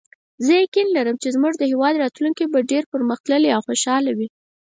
زه یقین لرم چې زموږ هیواد به راتلونکي کې ډېر پرمختللی او خوشحاله وي